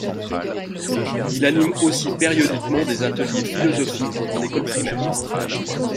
Il anime aussi périodiquement des ateliers philosophiques en école primaire.